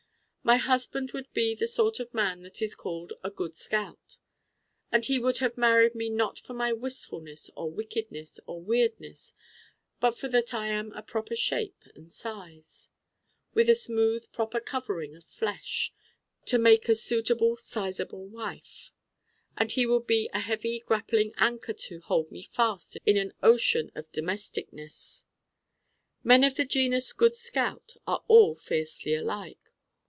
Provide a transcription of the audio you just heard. My husband would be the sort of man that is called a Good Scout. And he would have married me not for my wistfulness or wickedness or weirdness but for that I am a proper Shape and Size, with a smooth proper covering of flesh, to make a suitable sizable wife. And he would be a heavy grappling anchor to hold me fast in an ocean of domesticness. Men of the genus Good Scout are all fiercely alike.